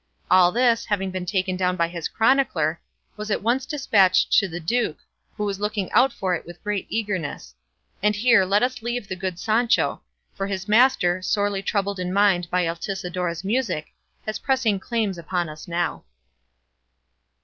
All this, having been taken down by his chronicler, was at once despatched to the duke, who was looking out for it with great eagerness; and here let us leave the good Sancho; for his master, sorely troubled in mind by Altisidora's music, has pressing claims upon us now.